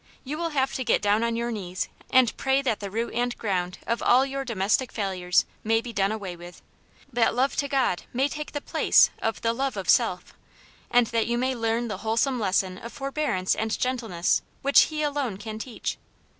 You will have to get down on your knees and pray that the root and ground of all your domestic failures may be done away with, that love to God may take the place of the love of self, and that you may learn the whole some lesson of forbearance and gentleness, which He alone can teach.